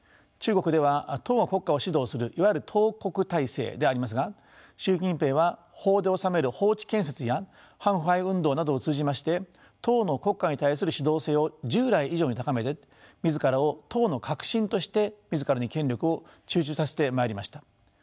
中国では党が国家を指導するいわゆる党国体制でありますが習近平は法で治める法治建設や反腐敗運動などを通じまして党の国家に対する指導性を従来以上に高めて自らを党の核心として自らに権力を集中させてまいりました。